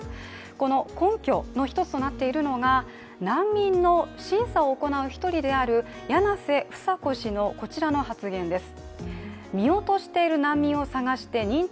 この根拠の一つとなっているのが難民の審査を行う柳瀬房子氏のこちらの発言です。